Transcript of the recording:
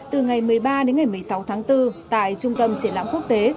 từ ngày một mươi ba đến ngày một mươi sáu tháng bốn tại trung tâm triển lãm quốc tế